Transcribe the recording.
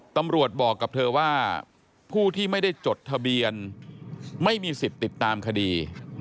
ตำรวจบอกกับเธอว่าผู้ที่ไม่ได้จดทะเบียนไม่มีสิทธิ์ติดตามคดี